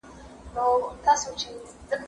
خبري د خلکو له خوا کيږي!.